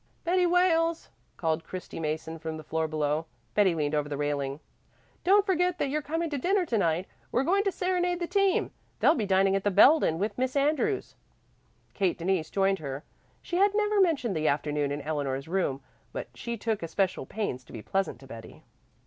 "Betty Wales," called Christy Mason from the floor below. Betty leaned over the railing. "Don't forget that you're coming to dinner to night. We're going to serenade the team. They'll be dining at the Belden with Miss Andrews." Kate Denise joined her. She had never mentioned the afternoon in Eleanor's room, but she took especial pains to be pleasant to Betty.